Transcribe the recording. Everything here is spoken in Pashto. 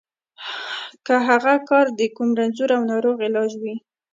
که هغه کار د کوم رنځور او ناروغ علاج وي.